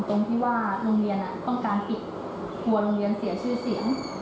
ตรงที่ว่าโรงเรียนต้องการปิดกลัวโรงเรียนเสียชื่อเสียง